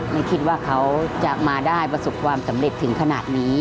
ไม่คิดว่าเขาจะมาได้ประสบความสำเร็จถึงขนาดนี้